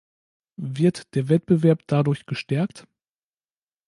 Wird der Wettbewerb dadurch gestärkt?